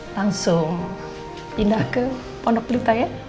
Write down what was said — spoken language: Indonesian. langsung pindah ke pondok duta ya